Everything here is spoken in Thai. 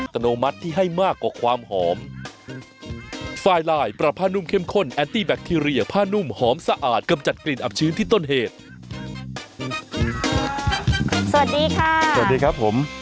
สวัสดีค่ะสวัสดีครับผมข้าวใส่ไทยสดไหมให้เยอะครับ